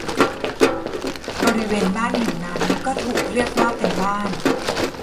บริเวณบ้านแห่งนั้นก็ถูกเรียกว่าเป็นบ้าน